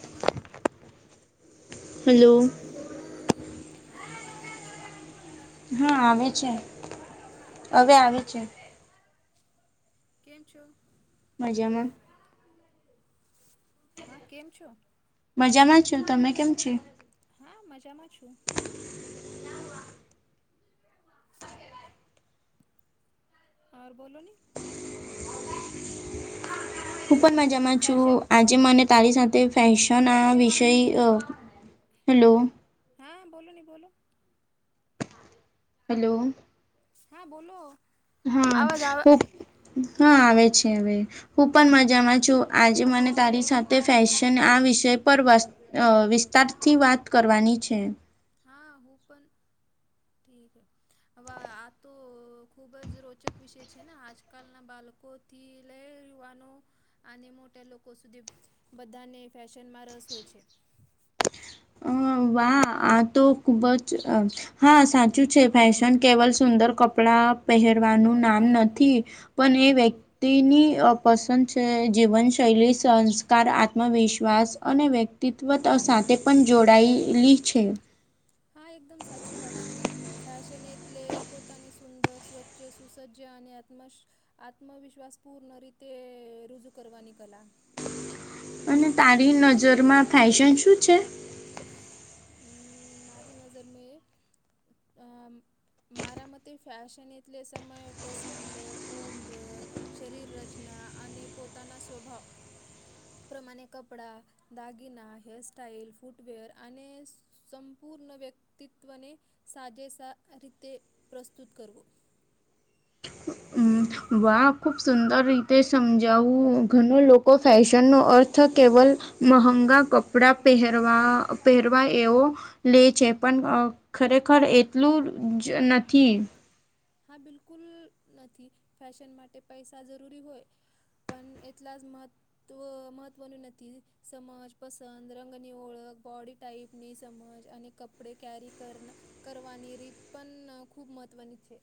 Hello hello હા અવાજ આવે છે. હા આવે છે, હવે આવે છે. કેમ છો? મજામાં. હા કેમ છો. મજામાં છું, તમે કેમ છો? હા મજામાં છું. હાર બોલો ને. હું પણ મજામાં છું. આજે મને તારી સાથે ફેશનના વિષય, હલો. હા બોલો ને બોલો હલો. હા બોલો. હા હું હા આવે છે હવે હું પણ મજામાં છું. આજે મને તારી સાથે ફેશન આ વિષય પર વિસ્તારથી વાત કરવાની છે. હા હું પણ ઠીક હવે આ તો ખુબ જ રોચક વિષય છે ને આજકાલના બાળકો દિ લયવાનો આને મોટા લોકો સુધી બધાને ફેશનમાં રસ હોય છે. હ વાહ આ તો ખુબ જ હા સાચું છે, ફેશન કેવલ સુંદર કપડા પહેરવાનું નામ નથી. મેં પણ એ વ્યક્ તિની પસંદ છે જીવનશૈલી, સંસ્કાર, આત્મવિશ્વાસ અને વ્ય તિત્વતા સાથે પણ જોડાયેલી છે. હા એકદમ સાચી વાત છે. ફેશન એટલે પોતાને સુંદર, સ્વચ્છ, સુસજ્જ અને આત્મ આત્મવિશ્વાસ પૂર્ણ રીતે રુજૂ કરવાની કલા અને તારી નજરમાં ફેશન શું છે? મારી નજર મે મારા મતે ફૅશન એટલે સમય પ્રસંગ, ઉમ્ર, શરીર રચના અને પોતાના સ્વભાવ, પ્રમાણે કપડા, દાગીના, હેરસ્ટસ્ટાાઈલ, ફૂટવેર અને સંપૂર્ણ વ્યક્તિત્વને સાજે સ રીતે પ્રસ્તુત કરવો. વા ખુબ સુંદર રીતે સમજાવું. ઘણ લોકો ફેશનનો અર્થ કેવલ મહંગા કપડા પહેરવા પહેરવા એવો લે છે પણ ખરેખર એટલું જ નથી, હા બિલકુલ નથી ફેશન માટે પૈસા જરૂરી હોય. પણ એટલા જ મત તો મહત્વનું નથી સમજ, પસંદ, રંગની ઓળખ, બોડી ટાઈપની સમજ અને કપડે કેરી કરવાની રીત પણ ખૂબ મહત્વની છે.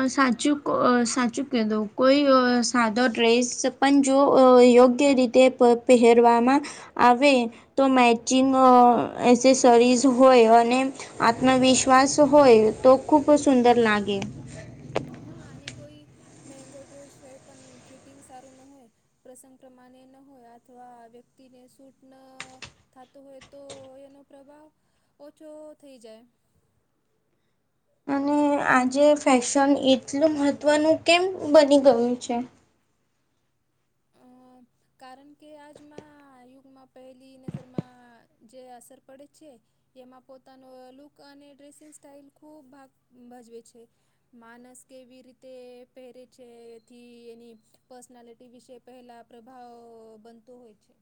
અ સાચું સાચું ક દો કોઈ સાદો ડ્રેસ પણં જો યોગ્ય રીતે પ પહેરવામાં આવે તો મેચિંગ એસેસરીઝ હોય અને આત્મવિશ્વાસ હોય તો ખુબ જ સુંદર લાગે. હા અને કોઈ મેંગો ડ્રેસ હોય પણ ફિટિંગ સારું ન હોય પ્રસંગ પ્રમાણે ન હોય અથવા વ્યક્તિને સૂટ ન થાતો હોય તો એનો પ્રભાવ ઓછો થઈ જાય. આજે ફેશન એટલું મહત્ત્વનું કેમ બની ગયું છે. અ [unintelligible] કારણ કે આજના યુગમાં પહેલી નજરમાં જે અસર પડે છે એમાં પોતાનો લુક અને ડ્રેસિંગ સ્ટાઈલ ખૂબ ભાગ ભજવે છે માનસ કેવી રીતે પહેરે છે એથી એની પર્સનાલિટી વિશે [inaudible] પહેલા પ્રભાવ બનતો હોય છે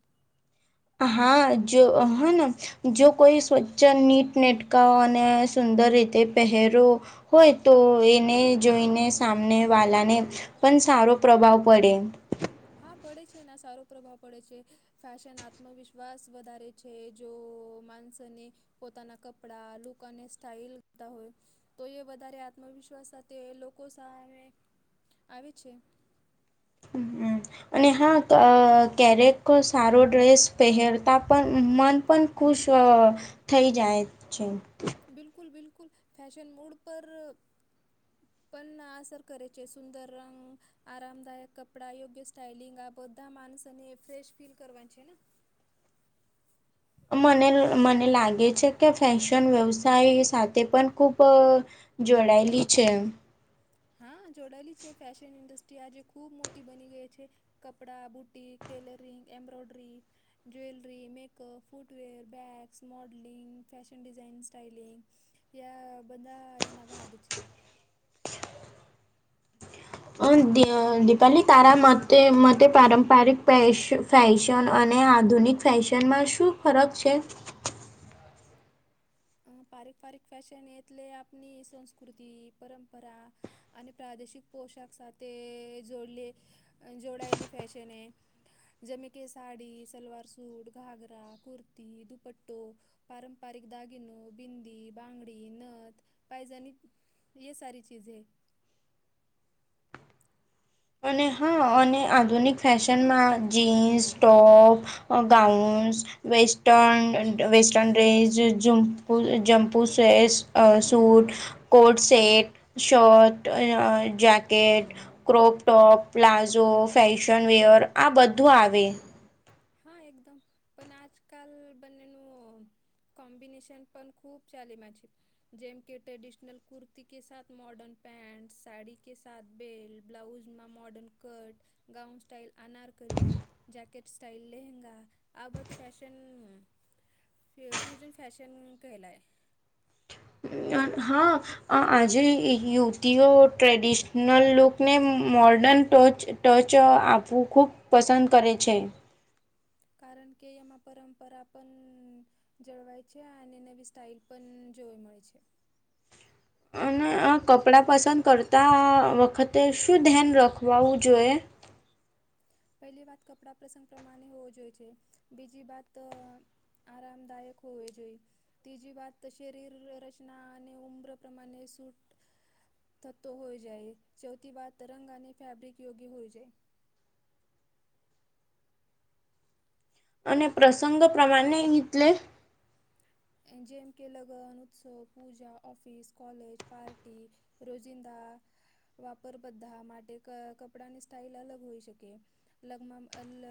હા જો અહેને જો કોઈ સ્વચ્છ નીટ નેટકા અને સુંદર રીતે પહેરો હોય તો એને જોઈને સામનેવાલાને પણ સારો પ્રભાવ પડે હા પડે છે એના સારો પ્રભાવ પડે છે ફેશન આત્મવિશ્વાસ વધારે છે જો માનસોને પોતાના કપડા લુક અને સ્ટાઈલતા હોય તો એ વધારે આત્મ. અને હા ક્યારેક સારો ડ્રેસ પહેરતા પણ મન પણ ખુશ થઈ જાય છે બિલકુલ બિકુલ ફેશન મોડ પર પણ આ સર કરે છે સુંદર રંગ આરામદાયક કપડા... મને મને લાગે છે કે ફેશન વ્યવસાય સાથે પણ ખૂબ જોડાયેલી છે હા જોડાયેલી છે ફેશન ઇન્ડસ્ટ્રી આજે ખૂબ મોટી બની ગઈ છે કપડા boutique tailoring embroidery jewellery makeup footwear bags modelling fashion design styling કે આ બધા એના ભાગ છે અ દી દીપાલી તારા માતે અ માતે પારંપરિક પેશન ફેશન અને આધુનિક ફેશનમાં શું ફરક છે પારપપારીક ફેશન એટલે આપની સંસ્કૃતિ પરંપરા અને પ્રાદેશિક પોશાખ સાથેથે જોડ જોડાયલી ફેેશન એ જેમ કે સાડી સલવાર સૂટ ઘાઘરા કુર્તી દુપટ્ટો પારંપરીિક દાગ ઘિન બિંદી બાંગડી નથ પાયજની એ સારી ચીજ હૈ અને હા અને આધુનિક ફેશનમાં જીન્સ ટોપ ગાઉન્ વેસ્ટન્ડ ચન ડ્રેસ જમ્પુલ જમ્પુ સ suit coat set shirt jacket crop top palazzo fashionwear આ બધું આવે હા એકદમ પણ આજકાલ બંનેનું કોમ્બિનેશન પણ ખૂબ ચાલે માછી જેમ કે traditional [unintelligible] બ્લાઉઝમાં modern cut gown style anarkali jackets style lehenga આ બત ફેશન ફ ફ્યુજન ફૅશન કહેલાય હા આ આજે યુવતીઓ ટ્રેડિશનલ લુકને મોર્ડન ટોચ ટચ આપવું ખૂબ પસંદ કરે છે કારણ કે એમાં પરંપરા પણ જળવાય છે અને નવી સ્ટાઇલ પણ જોવા મળે છે કપડાં પસંદ કરતા વખતે શું ધ્યાન રાખવાવું જોઈએ પહેલી વાત કપડા પ્રસંગ પ્રમાણે હોવો જોઈએ છે બીજી વાત આરામદાયક હોવ જોઈ તીજી વાત શરીર રચના અને ઉમ્ર પ્રમાણે સૂટ થતો હોય જાય સૌથી વાતરંગ અને ફેબ્રિક યોગ્ય હોય જાય અને પ્રસંગ પ્રમાણે એટલે જેમ કે લગન ઉત્સવ પૂજા ઓફિસ કોલેજ પાર્ટી રોજિંદા વાપર બધા માટે કપડાની સ્ટાઇલ અલગ હોઈ શકે લગ્ન લ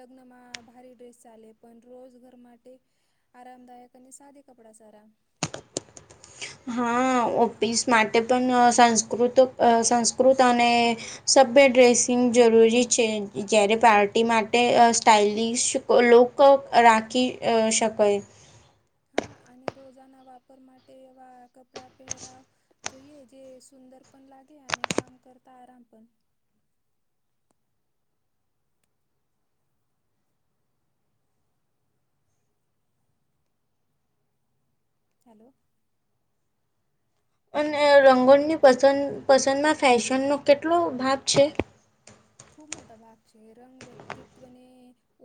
લગ્નમાં ભારે ડ્રેસ ચાલે પણ રોજ ઘર માટે આરામદાયક અને સાધે કપડા સારા હા ઓકે પીસ માટે પણ સંસ્કૃત સંસ્કૃત અને સભ્ય ડ્રેસિંગ જરૂરી છે જ્યારે પાર્ટી માટે સ્ટાઇલિશ લુક રાખી શકોય હા અને રોજાના વાપર માટે એવા કપડા પહેરાવ જોઈએ જે સુંદર પણ લાગે અને કામ કરતા આરામ પણ હેલો અને રંગોની પસંદ પસંદમાં ફેશનનોો કેટલો ભાગ છે ખૂબ મોટા ભાગ છે રંગ વ્યક્તિત્વ ને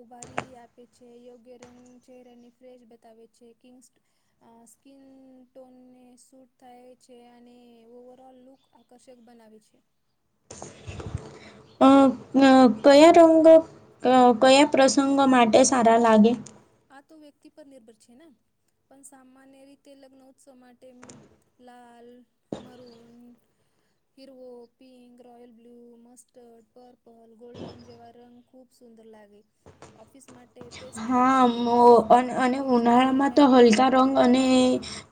ઉભારી આપે છે યોગ્ય રંગ ચરાની ફ્રેશ બતાવે છે કિંગ અ સ્કીિન ટોનને સૂટ થાય છે અને ઓવરઓલ લુક આકર્ષક બનાવે છે કયા રંગો કયા પ્રસંગો માટે સારા લાગે આ તો વ્યક્તિ પર નિર્ભર છે ને પણ સામાન્ય રીતે લગ્ન ઉત્સવ માટે લાલ મરૂન હિરવો pink royal blue mustard purple golden જેવા રંગ ખૂબ સુંદર લાગે ઓફિસ માટે પેસ્ટલ અને ઉનાળામાં તો હલકા રંગ અને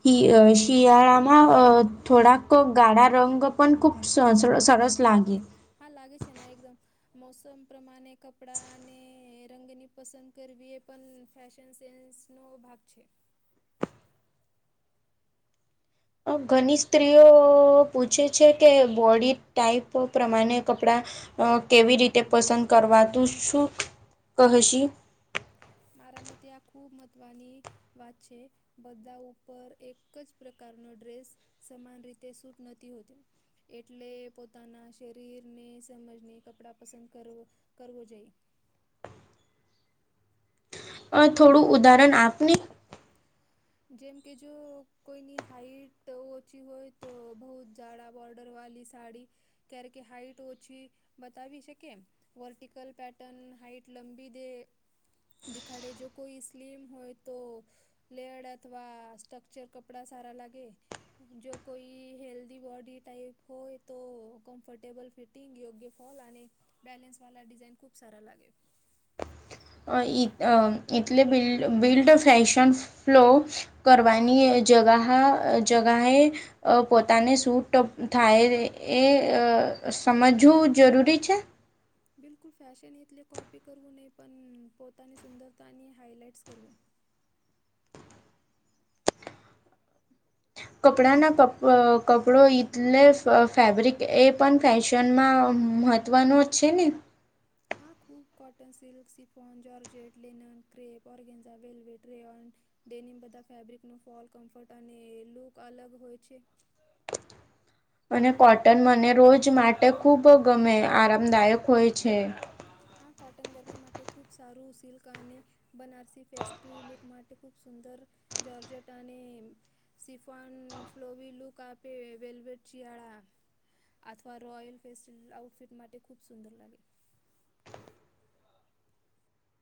હ અ શિયાળામાં અ થોડા ગાળા રંગ પણ ખૂબ સર સરસ લાગે હા લાગે છે ને એકદમ મોસમ પ્રમાણે કપડાં અને રંગની પસંદ કરવી એ પણ ફેશન સેન્સ નવ ભાગ છે ઘની સ્ત્રીઓ પૂછે છે કે બોડી ટાઈપ પ્રમાણે કપડાં કેવી રીતે પસંદ કરવાતું શું કહશી મારા મતે આ ખુબ મહત્વની વાંચે બધા ઉપર એક જ પ્રકારનો ડ્રેસ સમાન રીતે સૂટ નથીતી હોતી એટલે પોતાના શરીરને સમજને કપડાં પસંદ કરવ કરવો જોઈએ અ થોડું ઉદાહરણ આપને જેમ કે જો કોઈની હાઈટ ઓછી હોય તો બહુ જાડા બોર્ડર વાળલી સાડી ક્યારેકે હાઈટ ઓછી બતાવી શ કેમ વર્ટીકલ પેટર્ન હાઈટ લંબી દ દેખાડે જો કોઈ સ્લીમ હોય તો લેડા અથવા સ્ટ્રક્ચર કપડા સારા લાગે જો કોઈ હેલ્દીી બોડી ટાાઈપ હોય તો કમ્ફર્ટેબલ ફિટિંગ યોગ્ય ફોલ અને બ બેલેન્સ વાળ ડિઝાઇન ખૂબ સારા લાગે અ ટલે બડ બિલ્ડ ફેશન ફ્લો કરવાની જગાહા જગાહે. અ પોતાને શુંટપ થાય એ અ સમજવું જરૂરી છે? બિલકુલ, ફૅશન એટલે કોપી કરવું નઈ પણ પોતાની સુંદરતાની હાઈલાઇટ્સ કરવું. કપડાનાં કપ અ કપડો એટલે ફ ફેબ્રિક એ પણ ફેશનમાં વનું જ છે ને. હા, ખૂબ cotton silk chiffon, georgette linen crepe organza velvet. દે બધા ફેબ્રિકનો ફોલ કમ્ફર્ટ અને લુક અલગ હોય છે. અને કોટન મને રોજ માટે ખૂબ ગમે આરામદાયક હોય છે. હા કોટન ગરમી માટે ખૂબ સારું સિલ્ક અને બનારસી ફેસ્ટિવ લુક માટે ખુબ સુંદર, જોર્જટ અને સિફન ફ્લોવ લુક આપે વેલવેટ શિયાળા અથવા રોયલ ફેસ્ટલ આઉટફિટ માટે ખૂબ સુંદર લાગે.